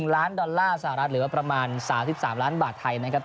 ๑ล้านดอลลาร์สหรัฐหรือว่าประมาณ๓๓ล้านบาทไทยนะครับ